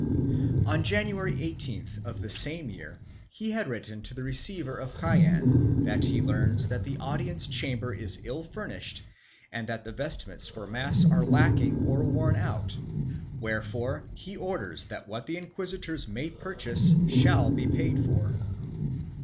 On January 18th of the same year he had written to the receiver of Jaen that he learns that the audience chamber is ill furnished and that the vestments for mass are lacking or worn out, wherefore he orders that what the inquis itors may purchase shall be paid for.